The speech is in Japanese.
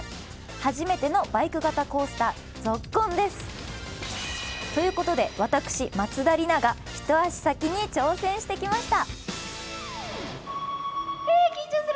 初めてのバイク型コースターＺＯＫＫＯＮです。ということで、私、松田里奈が一足先に挑戦してきました。